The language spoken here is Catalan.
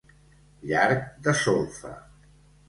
Llarg de solfa.